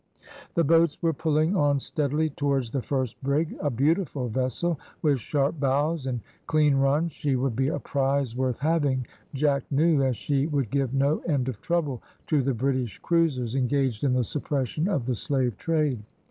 The boats were pulling on steadily towards the first brig, a beautiful vessel, with sharp bows and clean run; she would be a prize worth having, Jack knew, as she would give no end of trouble to the British cruisers engaged in the suppression of the slave trade.